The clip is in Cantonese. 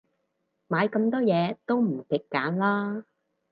買咁多嘢，都唔極簡啦